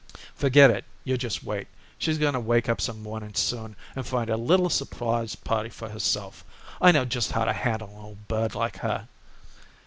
"Forget it. Just you wait. She's going to wake up some morning soon and find a little surprise party for herself. I know just how to handle an old bird like her."